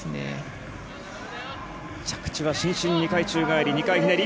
着地は伸身宙返り２回ひねり。